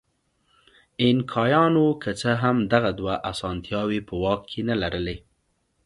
اینکایانو که څه هم دغه دوه اسانتیاوې په واک کې نه لرلې.